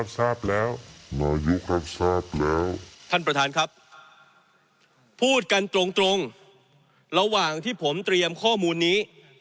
ท่านประธานครับพูดกันตรงระหว่างที่ผมเตรียมข้อมูลนี้